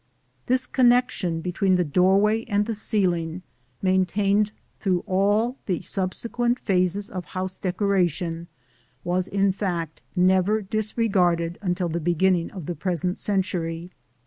This connection between the doorway and the ceiling, maintained through all the subsequent phases of house decoration, was in fact never disregarded until the beginning of the present century.